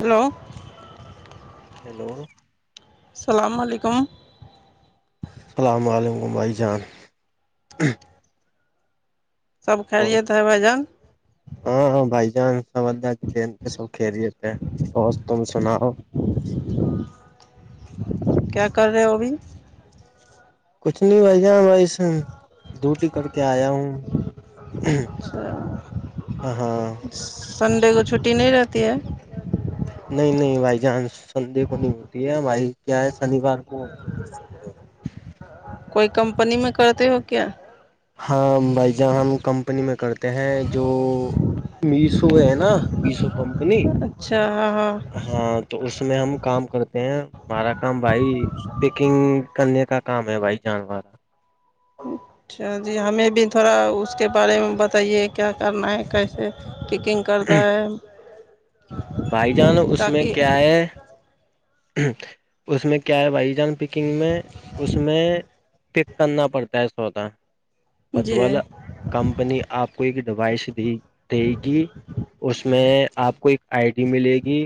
hello hello السلام علیکم السلام علیکم بھائی جان [unintelligible] سب خیریت ہے بھائی جان ہاں ہاں بھائی جان سب اللہ کی دین سے سب خیریت ہیں اور تم سناؤ کیا کر رہے ہو ابھی کچھ نہیں بھائی جان ویسے ڈوٹی کر کے آیا ہوں ہاں سنڈے کو چھٹی نہیں رہتی ہے نہیں نہیں بھائی جان سنڈے کو نہیں ہوتی ہے بھائی کیا ہے شنیوار کو ہوتی ہے کوئی کمپنی میں کرتے ہو کیا ہاں بھائی جان ہم کمپنی میں کرتے ہیں جو میشو ہے نا میشو کمپنی اچھا ہاں ہاں ہاں تو اس میں ہم کام کرتے ہیں ہمارا کام بھائی پیکنگ کرنے کا کام ہے بھائی جان اچھا جی ہمیں بھی تھوڑا اس کے بارے میں بتائیے کیا کرنا ہے کیسے کیکنگ کرتا ہے بھائی جان اس میں تاکہ کیا ہے اس میں کیا ہے بھائی جان پ کنگ میں اس میں پک کرنا پڑتا ہے سودا بت جی والا کمپنی آپ کو ایک ڈیوائس دی دے کہ اس میں آپ کو ایک آئی ڈی ملے گی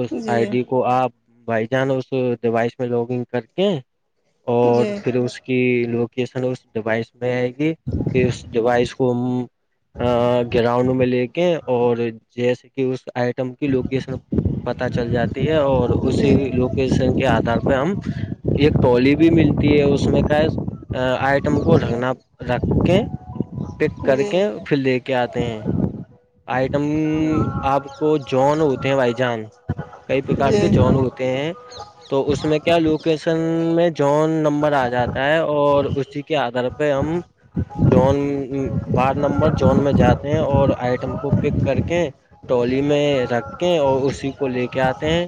اس جی آئی ڈی کو آپ بھائی جان اس ڈیوائس میں لوگنگ کر کے جی اور جی پھر اس کی لوکیشن اور اس ڈیوائس میں آئے گی کہ اس ڈیوائس کو ہم گراؤنڈ میں لے کے اور جیسے کہ اس آئٹم کی لوکیشن پتا چل جاتی ہے اور اسی جی لوکیشن کے آدھار پہ ہم ایک ٹولی بھی ملتی ہے اس میں کا ہے آئٹم کو رکھنا رکھ کے پیک کر جی کے پھر لے کے آتے ہیں آئٹم آپ کو جون ہوتے ہیں بھائی جان کئی پراکار جی کے جون ہو تے ہیں تو اس میں کیا لوکیشن میں جون نمبر آ جاتا ہے اور اسی کے آدھار پہ ہم جون بار نمبر جون میں جاتے ہیں اور آئی ٹم کو پک کر کے ٹولی میں رکھ کے اور اسی کو لے کے آتے ہیں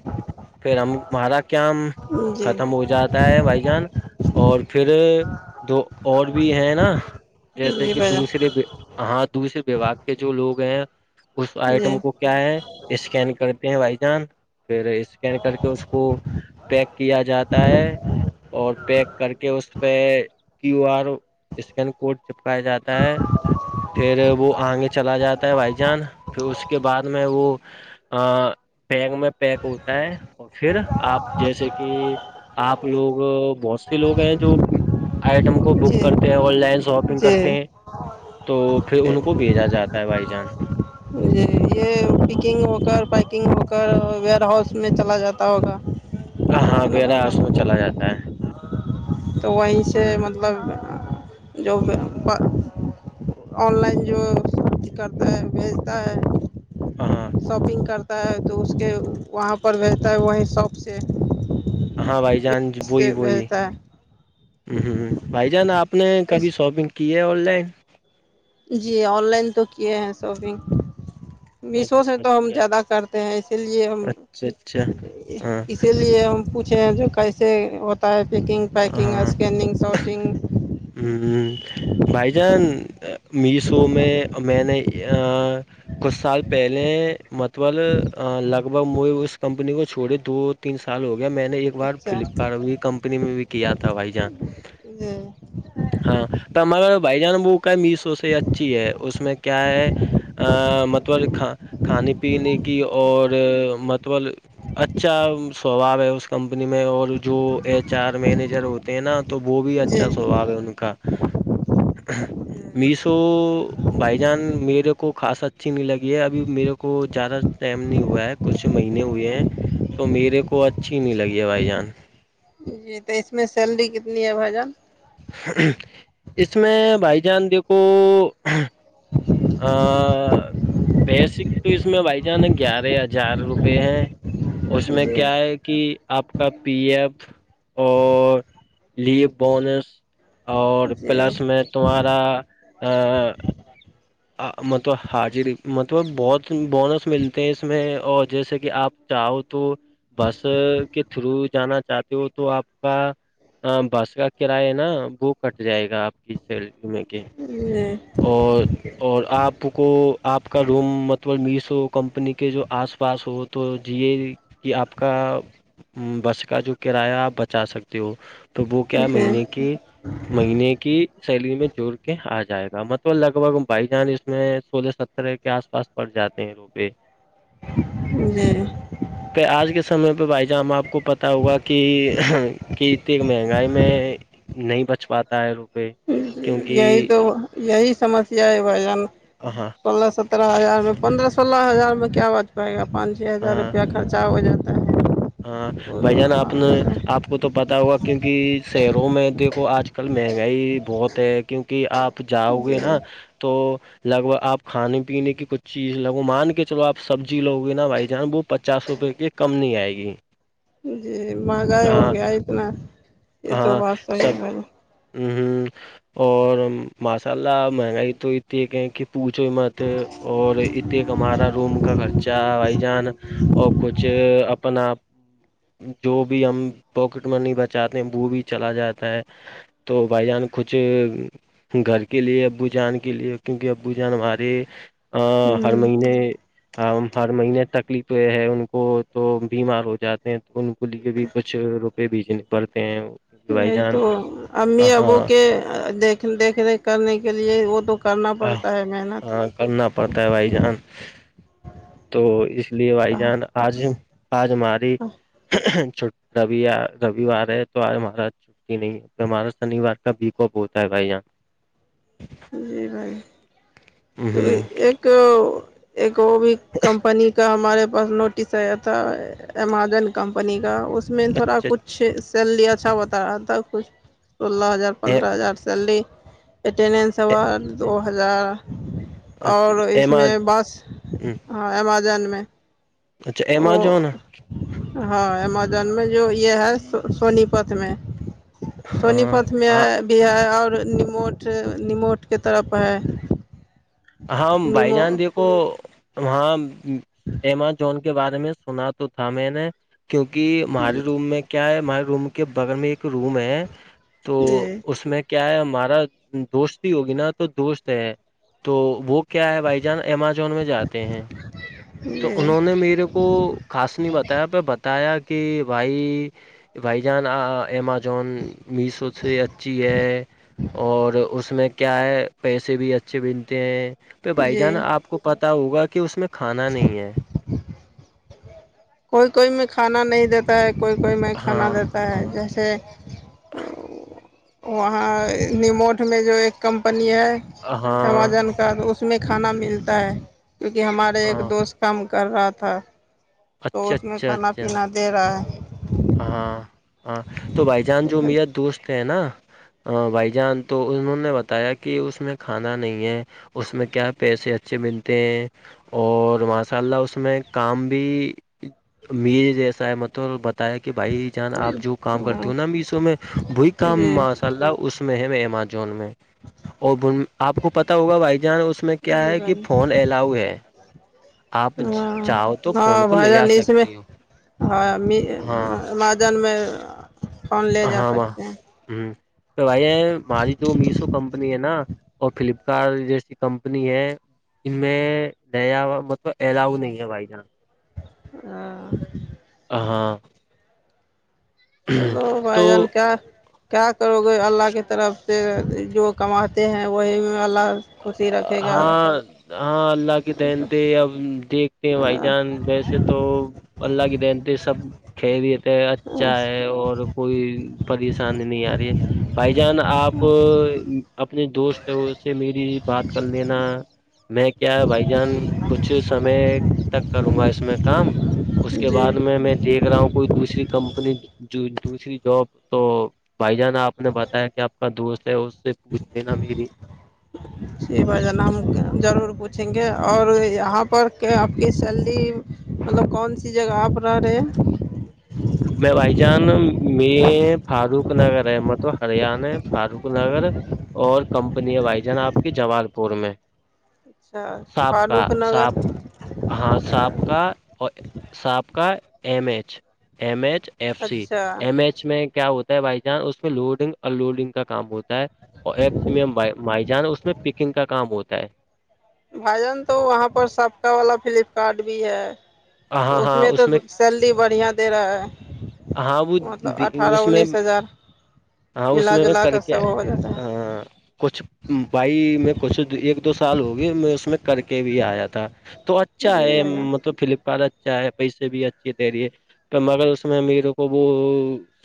پھر ہم ہمارا کام جی ختم ہو جات ہے بھائی جان اور پھر دو اور بھی ہے نا جیسے جی کہ بھائی جان دوسرے ہاں دوسرے وباگ کے جو لوگ ہیں اس آئٹم کو کیا ہے اسکین کرتے ہیں بھائی جان پھر اسکین کر کے اس کو پیک کیا جاتا ہے اور پیک کر کے اس پہ کیو آر اسکین کوڈ چپکایا جاتا ہے پھر وہ آگے چلا جاتا تا ہے بھائی جان پھر اس کے بعد میں وہ پیک میں پیک ہوتا ہے اور پھر آپ جیسے کہ آپ لوگ بہت سے لوگ ہیں جو آئٹم کو بک جی کرتے ہیں آن لائن شاپنگ جی کرتے ہیں تو پھر جی ان کو بھیجا جاتا ہے بھائی جان جی یہ پکنگ ہو کر پیکنگ ہو کر ویئر ہاؤس میں چلا جاتا ہوگا ہاں ہے نا بھائی بیرا اس میں جان چلا جاتا ہے تو وہی سے ہ مطلب جو آن لائن جو سب کرتا ہے بھیجتا ہے ہاں شاپنگ کرتا ہے تو اس کے وہاں پر ملتا ہے وہیں شاپ سے ہاں بھائی جان بوئی سے بوئی بھیجتا ہے ہمم ہمم بھائی جان آپ اپ نے اس کبھی شاپنگ کی ہے آن لائن جی آن لائن تو کیے ہیں شاپنگ میشو سے اچھا تو ہم اچھا زیادہ کرتے ہیں اسی لیے ہم اچھا اچھا ہاں اسی لیے ہم پوچھے ہیں جو کیسے ہوتا ہے پکنگ پیکنگ اسکیننگ شوٹنگ ہمم ہوں بھائی جان میشو میں میں نے کچھ سال پہلے مطبل لگ بھگ م اس کمپنی کو چھوڑے دو تین سال ہو گیا میں نے ایک بار اچھا فلپکارٹ کمپنی میں بھی کیا تھا بھائی جان دے ہاں تو ہمارا بھائی جان ب کا میشو سے اچھی ہے اس میں کیا ہے مطبل کھانے پینے کی اور مطبل اچھا سوباؤ ہے اس کمپنی میں اور جو ایچ آر مینیجر ہو نا تو وہ بھی جی اچھا سوبھاؤ ہے ان کا میشو بھائی جان میرے کو خاص اچھی نہیں لگی ہے ابھی میرے کو زیادہ ٹائم نہیں ہوا ہے کچھ مہینے ہوئے ہیں تو میرے کو اچھی نہیں لگی ہے بھائی جان جی تو اس میں سیلری کتنی ہے بھائی جان اس میں بھائی جان دیکھو [inaudible] آآ بیسک پیس میں بھائی جان گیارہ ہزار روپے ہیں اس جی میں جی کیا ہے کہ آپ کا پی ایف اور لیو بونس اور جی پلس میں تمہارا ا مطلب حاجی مطلب بہت بونس ملتے ہیں اس میں اور جیسے کہ آپ چاہو تو بس کے تھرو جانا چاہتے ہو تو آپ کا ہاں بس کا کرایہ ہے نا وہ کٹ جائے گا آپ کی سیلری میں کہ جی اور اور آپ کو آپ کا روم مطبل میسو کمپنی کے جو آس پاس ہو تو ج کہ آپ کا بس کا جو کرایہ آپ بچا سکتے ہو تووہ کیا جی مہینے کے مہینے کی سیلری میں جوڑ کے آ جائے گا مطبل لگ بھگ بھائی جان اس میں سولہ سترہ کے آس پاس پڑ جاتے ہیں روپے جی پہ آج کے سمے پہ بھائی جان آپ کو پتا ہوگا کہ کہ اتنی مہنگائی میں نہیں بچ پاتا ہے روپئے یہی تو یہی سمسیا ہے بھائی جان ا ہا پندرہ سترہ ہزار میں پندرہ سولہ ہزار میں کیا بچ پائے گا پانچ چھ ہزار ہاں روپیہ خرچہ ہو جاتا ہے ہاں بھائی جان آپ نے آپ کو تو پتا ہوا کیونکہ شہروں میں دیکھو آج کل مہنگائی بہت کیونکہ آپ جاؤ گے نا جی تو لگ ب آپ کھانے پینے کی کچھ چیز لگو مان کے چلو آپ سبزی لو گے نا بھائی جان وہ پچاس روپئے کے کم نہیں آئے گی جی مہنگائی ہو ہاں گیا اتنا یہ تو بات صحیح بھائی ہمم ہمم اور ماشااللہ مہنگائی تو اتنی ایک ہے کہ پوچو مت اور ات ایک ہمارا روم کا خرچہ چا بھائی جان اور کچھ اپنا جو بھی ہم پاکٹ منی بچاتے ہیں وہ بھی چلا جاتا ہے تو بھائی جان کچھ گھر کے لیے ابو جان کے لیے کیونکہ ابو جان ہمارے اہ ہر ہ مہینے ہر مہینے تکلیف تو یہ ہے ان کو تو بیمار ہو جاتے ہیں ان کو لی بھی کچھ روپے بیجنے پڑتے ہیں کیک بھائی یہی جان تو امی ہاں ابو کے دیکھ ریکھ کرنے کے لیے وہ تو کرنا ہ پڑتا ہے محنت ہاں کرنا پڑتا ہے بھائی جان تو اس لیے بھائی جان آج آج ہماری چھٹ ر رووار ہے تو آج ہمارا یےنہیں ہمارا شنیوار کا بھییکپ ہوتا ہے بھائی یہاں جی بھائی تو ہ ایک ایک وہ بھی کمپنی کا ہمارے پاس نوٹس آیا تھا امازون کمپنی کا اس میں تھوڑا اچھا کچھ اچھا سیلری اچھا ہوتا رہا تھا کچھ سولہ ہزار پندرہ ہزار سیلری اٹینڈینس اچھا سوا دو ہزار اور اس اچھا میں بس ہاں امازون میں اچھا وہ امجون ہاں امزون میں جو یہ ہے سونی پت میں سونی ہاں پت میں ہاں ہے بھی ہے اور نموٹ نموٹ کے طرف ہے ہاں بھائی نیمو جان دیکھو ہاں امجون کے بارے میں سنا تو تھا میں نے کیونکہ ہمارے روم میں کیا ہے ہمارے روم کے بغل میں ایک روم ہے تو جی اس میں کیا ہے ہمارا دوستی ہوگی نا تو دوست ہے تو وہ کیا ہے بھائی جان امازون میں جاتے ہیں تو جی انہوں نے میرے کو خاص نہیں بتایا پے بتایا کہ بھائی بھائی جان آ آ ایمان جون میسو سے اچھی ہے اور اس میں کیا ہے پیسے بھی اچھے ملتے ہیں پہ بھائی جی جان آپ کو پتا ہوگا کہ اس میں کھانا نہیں ہے کوئی کوئی میں کھانا نہیں دیتا ہے کوئی کوئی میں کھانا ہاں دیتا ہے ہاں جیسے وہاں نیموٹ میں جو ایک کمپنی ہے ہاں امازون تو اس میں کھانا ملتا ہے کیونکہ ہمارے ایک ہاں دوست کام کر رہا تھا تو اچھا اس میں اچھا کھانا اچھا پینا دے رہا ہے ہاں ہاں تو بھائی جان جو ہے میرا دوست ہے نا ہا بھائی جان تو انہوں نے بتایا کہ اس میں کھانا نہیں ہے اس میں کیا پیسے اچھے ملتے ہیں اور ماشاء اللہ اس میں کام بھی ا مز جیسا ہے مطب بتا کہ بھائی جان آپ جو کام کرتے ہو نا میسو میں وہی کام جی لہ اس میں ہے امجون میں اور اب ان آپ کو پتا ہوگا بھائی جان اس میں کیا ہے کہ فون الاؤ ہے آپ ہ چاہو تو ہاں فون کو بائی لے جار آ انیس میں [unintelligible] سکتے ہو ہاں ہم ہاں ما مجن میں فون لے جا ہاں ماں سکتے ہیں ہم بھائی ماری جو میشو کمپنی ہے نا اور فلپکارٹ جیسی کمپنی ہے ان میں نیا مطلب ایلاؤ نہیں ہے بھائی جان ہاں ہاں ہیلو بھائی تو جان کا کیا کرو گے اللہ کی طرف سے جو کماتے ہیں وہی اللہ خوشی رکھے گا ہاں ہاں اللہ کے دہنتے اب دیکھتے بھائی جان ویسے تو اللہ کی دنتی سب ک خیریت ہے اچھا ہے اور کوئی پریشانی نہیں آ رہی ہے بھائی جان آپ اپنے دوست تو اس سے میری بات کر لینا میں کیا بھائی جان کچھ سمے تک کروں گا اس میں کام اس کے جی بعد میں میں دیکھ رہا ہوں کوئی دوسری کمپنی جو دوسری جاب تو بھائی جان آپ نے بتایا کہ آپ کا دوست ہے اس سے پوچھ لینا میری شی بھائی جان ہم ضرور پوچھیں گے اور یہاں پر کہ آپ کی سیلری مطلب کون سی جگہ آپ رہا رہے ہیں میں بھائی جان مںیر فاروق نگر ہے مطلب ہریانہ فاروق نگر اور کمپنی ہے بھائی جان آپ کی جبال پور میں اچھا ساپ کا فاروق نگر ساپ ہاں ساپ کا اور ساپ کا M H M H F C اچھا ایم ایچ میں کیا ہوتا ہے بھائی چان اس میں لوڈنگ ان لوڈنگ کا کام ہوتا ہے ہے اور ایپس میں مائی جان اس میں پکنگ کا کام ہوتا ہے بھائی جان تو وہاں پر سابقا والا فلپکارٹ بھی ہے تو اس میں تو سیلری بڑھیاں دے رہا ہاں وہ مطلب اٹھارہ اس میں انیس ہزار ہاں اس ملا میں میں جلا کر سب کے ہو جاتا ہے ہاں کچھ بھائی میں کچھ ایک دو سال ہو گی میں اس میں کر کے بھی آیا تھا تو اچھا جی ہے بھائی جان مطلب فلپکارٹ اچھا ہے پیسے بھی اچھے دے رہی ہے تو مگر اس میرے کو وہ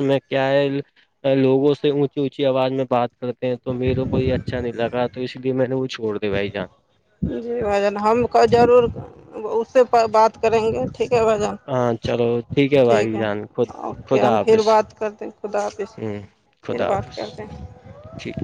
میں کیا ہے لوگوں سے اونچی اونچی آواز میں بات کرتے ہیں تو میرے کوئی اچھا نہیں لگا تو اس لیے میں نے وہ چھوڑ دے بھائی جان جی بھائی جان ہم کو ضرور اس سے بات کریں گے ٹھیک ہے بھائی جان ہاں چلو ٹھیک بھائی ہے جان خود اوکے خدا ہم پھر حافظ بات کرتیں خدا حافظ ہ پھر خدا بات حافظ کرتے ہیں ٹھیک